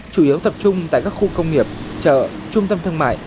chủ yếu tập trung tại các khu công nghiệp chợ trung tâm thương mại